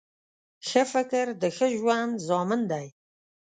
ښه فکر د ښه ژوند ضامن دی